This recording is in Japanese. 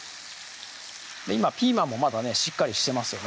今ピーマンもまだねしっかりしてますよね